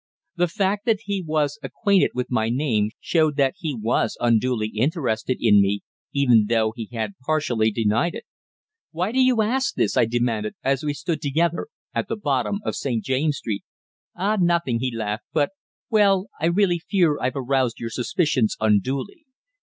The fact that he was acquainted with my name showed that he was unduly interested in me, even though he had partially denied it. "Why do you ask this?" I demanded, as we still stood together at the bottom of St. James's Street. "Ah, nothing," he laughed. "But well, I really fear I've aroused your suspicions unduly.